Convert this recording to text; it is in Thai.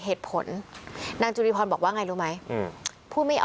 ก็มันยังไม่หมดวันหนึ่ง